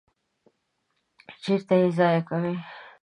چیرته ییضایع کوی؟